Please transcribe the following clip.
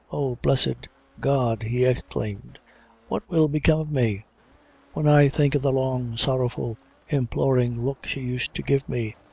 O blessed God," he exclaimed, "what will become of me! when I think of the long, sorrowful, implorin' look she used to give me.